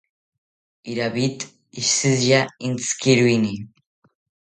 Iravid ishiya entzikiroeni